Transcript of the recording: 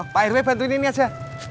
pak rw bantuin ini aja